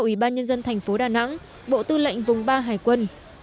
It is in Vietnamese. ủy ban nhân dân thành phố đà nẵng bộ tư lệnh vùng ba hải quân